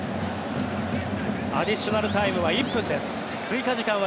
アディショナルタイムは１分です。